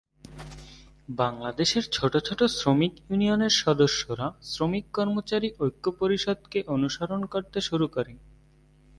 বাংলাদেশের ছোট ছোট শ্রমিক ইউনিয়নের সদস্যরা শ্রমিক কর্মচারী ঐক্য পরিষদকে অনুসরণ করতে শুরু করে।